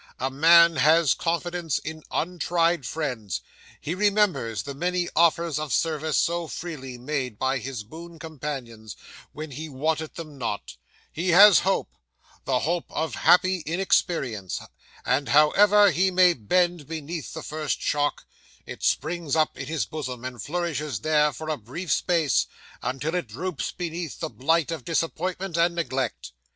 A man has confidence in untried friends, he remembers the many offers of service so freely made by his boon companions when he wanted them not; he has hope the hope of happy inexperience and however he may bend beneath the first shock, it springs up in his bosom, and flourishes there for a brief space, until it droops beneath the blight of disappointment and neglect.